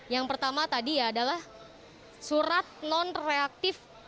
yang pertama tadi ya adalah surat non reaktif